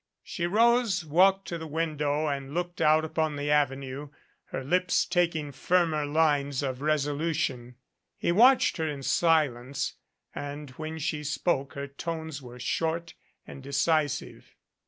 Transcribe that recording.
She rose, walked to the window and looked out upon the Avenue, her lips taking firmer lines of resolution. He watched her in silence, and when she spoke her tones were short and decisive.